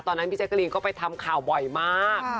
ตอนนั้นพี่เจ๊กรีนก็ไปทำข่าวบ่อยมาก